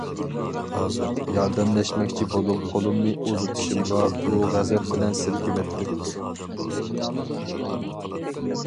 ياردەملەشمەكچى بولۇپ قولۇمنى ئۇزىتىشىمغا، ئۇ غەزەپ بىلەن سىلكىۋەتتى.